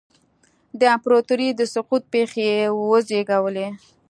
د امپراتورۍ د سقوط پېښې یې وزېږولې.